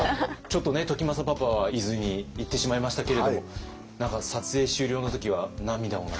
ちょっとね時政パパは伊豆に行ってしまいましたけれども何か撮影終了の時は涙を流されたと。